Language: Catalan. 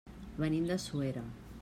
Venim de Suera.